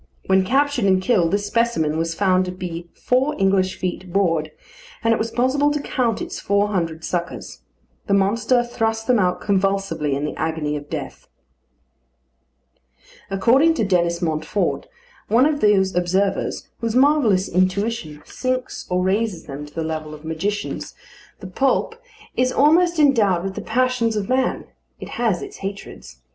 When captured and killed, this specimen was found to be four English feet broad, and it was possible to count its four hundred suckers. The monster thrust them out convulsively in the agony of death. According to Denis Montfort, one of those observers whose marvellous intuition sinks or raises them to the level of magicians, the poulp is almost endowed with the passions of man: it has its hatreds.